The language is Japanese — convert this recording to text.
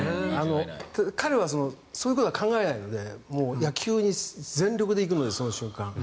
彼はそういうことは考えないので野球に全力で行くのでその瞬間。